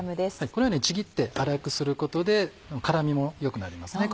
このようにちぎって粗くすることで絡みも良くなりますね